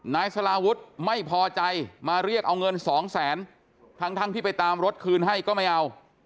นายสลาวุฒิไม่พอใจมาเรียกเอาเงินสองแสนทั้งที่ไปตามรถคืนให้ก็ไม่เอา